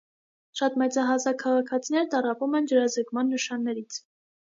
Շատ մեծահասակ քաղաքացիներ տառապում են ջրազրկման նշաններից։